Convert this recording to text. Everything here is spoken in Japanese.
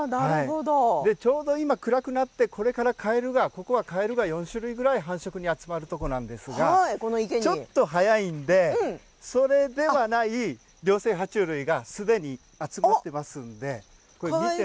ちょうど今、暗くなってここはカエルが４種類くらい繁殖で集まるところなんですがちょっと早いので、それではない両生類、は虫類がすでに集まっていますので。